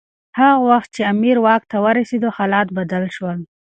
هغه وخت چي امیر واک ته ورسېد حالات بدل شول.